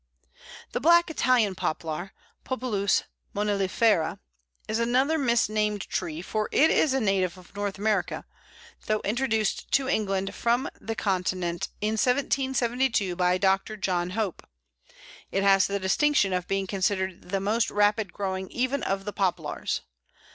] The Black Italian Poplar (Populus monilifera) is another misnamed tree, for it is a native of North America, though introduced to England from the Continent in 1772 by Dr. John Hope. It has the distinction of being considered the most rapid growing even of the Poplars.